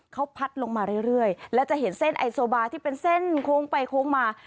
เขาพัดลงมาเรื่อยแล้วจะเห็นเส้นไอโซบาที่เป็นเส้นโค้งไปโค้งมา